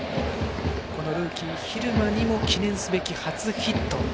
ルーキー、蛭間にも記念すべき初ヒット。